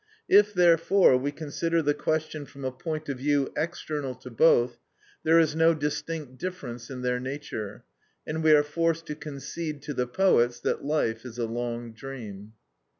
If, therefore, we consider the question from a point of view external to both, there is no distinct difference in their nature, and we are forced to concede to the poets that life is a long dream.